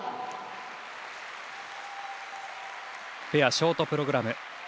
ペアショートプログラム。